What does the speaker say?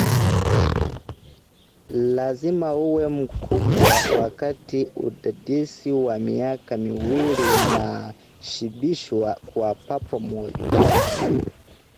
lazima uwe mkubwa wakati udadisi wa miaka miwili unashibishwa kwa papo moja